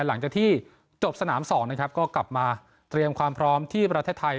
หลังจากที่จบสนาม๒นะครับก็กลับมาเตรียมความพร้อมที่ประเทศไทย